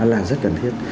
là rất cần thiết